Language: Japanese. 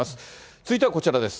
続いてはこちらです。